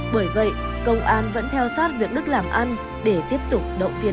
bởi vậy công an vẫn theo sát việc đức làm ăn để tiếp tục